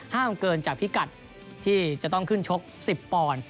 เกินจากพิกัดที่จะต้องขึ้นชก๑๐ปอนด์